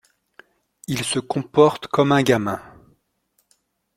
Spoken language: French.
Il se comporte comme un gamin.